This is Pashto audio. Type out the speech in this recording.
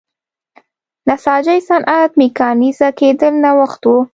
نساجۍ صنعت میکانیزه کېدل نوښت و.